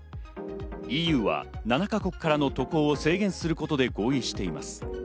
ＥＵは７か国からの渡航を制限することで合意しています。